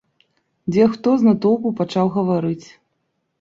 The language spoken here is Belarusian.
Дзе хто з натоўпу пачаў гаварыць.